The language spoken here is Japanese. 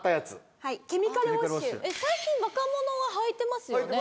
最近若者がはいてますよね。